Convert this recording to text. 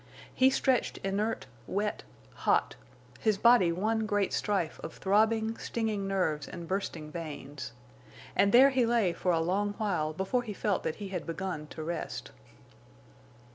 He stretched inert, wet, hot, his body one great strife of throbbing, stinging nerves and bursting veins. And there he lay for a long while before he felt that he had begun to rest.